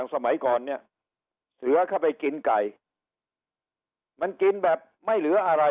สมัยก่อนเนี่ยเสือเข้าไปกินไก่มันกินแบบไม่เหลืออะไร